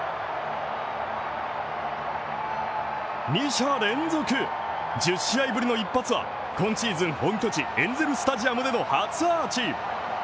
２者連続、１０試合ぶりの一発は、今シーズン、本拠地、エンゼル・スタジアムでの初アーチ。